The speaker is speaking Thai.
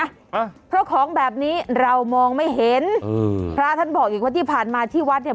อ่ะเพราะของแบบนี้เรามองไม่เห็นอืมพระท่านบอกอีกว่าที่ผ่านมาที่วัดเนี้ย